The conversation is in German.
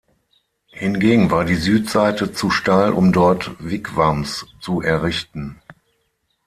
Hingegen war die Südseite zu steil, um dort Wigwams zu errichten.